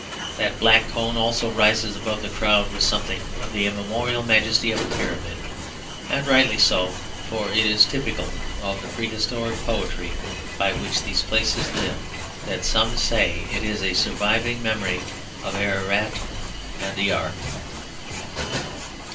That black cone also rises above the crowd with something of the immemorial majesty of a pyramid; and rightly so, for it is typical of the prehistoric poetry by which these places live that some say it is a surviving memory of Ararat and the Ark.